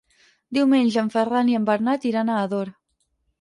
Diumenge en Ferran i en Bernat iran a Ador.